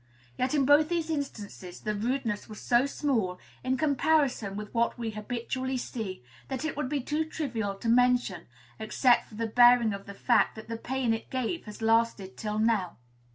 Yet in both these instances the rudeness was so small, in comparison with what we habitually see, that it would be too trivial to mention, except for the bearing of the fact that the pain it gave has lasted till now.